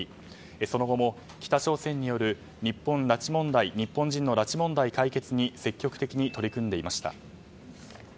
その後も、北朝鮮による日本人拉致問題解決に積極的に取り組んでいました。